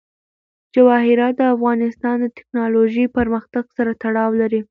جواهرات د افغانستان د تکنالوژۍ پرمختګ سره تړاو لري.